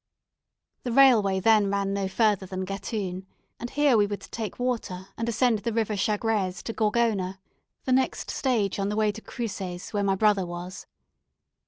The railway then ran no further than Gatun, and here we were to take water and ascend the River Chagres to Gorgona, the next stage on the way to Cruces, where my brother was.